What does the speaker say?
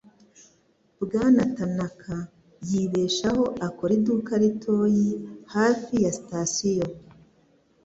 Bwana Tanaka yibeshaho akora iduka ritoyi hafi ya sitasiyo